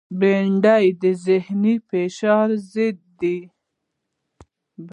بېنډۍ د ذهنی فشار ضد ده